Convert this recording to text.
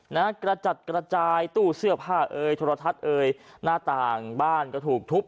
กระจัดกระจายตู้เสื้อผ้าเอ่ยโทรทัศน์เอ่ยหน้าต่างบ้านก็ถูกทุบ